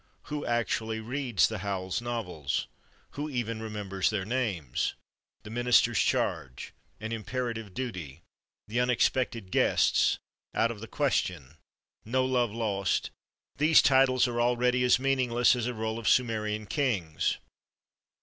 Who actually reads the Howells novels? Who even remembers their names? "The Minister's Charge," "An Imperative Duty," "The Unexpected Guests," "Out of the Question," "No Love Lost"—these titles are already as meaningless as a roll of Sumerian kings.